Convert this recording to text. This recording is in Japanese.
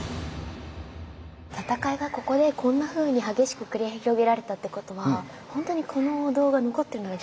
戦いがここでこんなふうに激しく繰り広げられたってことはほんとにこのお堂が残ってるのが奇跡ですよね。